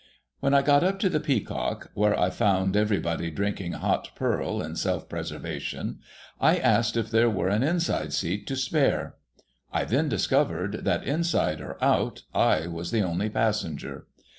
When I got up to the Peacock, — where I found everybody drink ing hot purl, in self preservation, — I asked if there were an inside seat to spare, I then discovered that, inside or out, I was the only passenger.